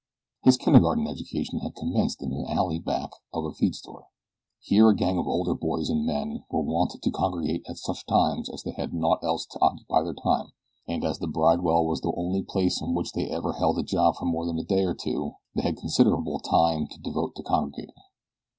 His kindergarten education had commenced in an alley back of a feed store. Here a gang of older boys and men were wont to congregate at such times as they had naught else to occupy their time, and as the bridewell was the only place in which they ever held a job for more than a day or two, they had considerable time to devote to congregating.